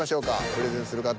プレゼンする方。